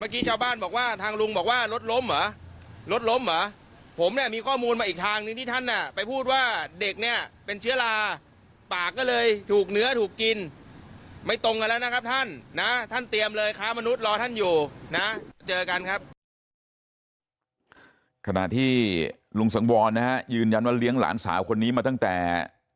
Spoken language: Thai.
ขณะที่ลุงสังวรนะฮะยืนยันว่าเลี้ยงหลานสาวคนนี้มาตั้งแต่